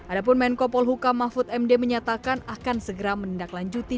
adapun menko polhuka mahfud md menyatakan akan segera menindaklanjuti